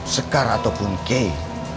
sekar ataupun kei